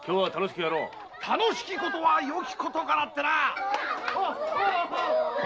楽しきことはよきことかなってな。